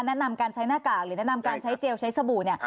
แนะนำการใช้หน้ากากหรือแนะนำการใช้เจลใช้สบู่เนี่ย